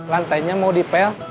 lantainya mau dipel